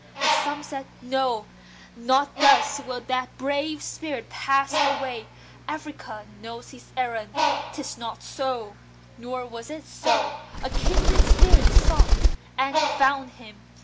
But some said, "No! Not thus will that brave spirit pass away. Africa knows his errand: 'tis not so." Nor was it so. A kindred spirit sought, And found him!